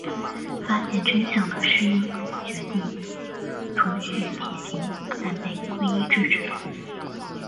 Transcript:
发现真相的诗音决定除去铁平但被圭一制止了。